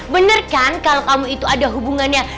bener kan kalau kamu itu ada hubungannya